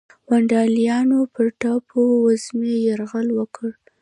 ونډالیانو پر ټاپو وزمې یرغل وکړ.